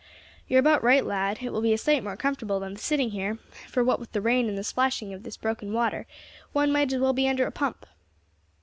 "You are about right, lad; it will be a sight more comfortable than sitting here, for what with the rain and the splashing up of this broken water one might as well be under a pump."